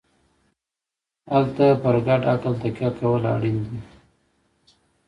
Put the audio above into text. هلته پر ګډ عقل تکیه کول اړین دي.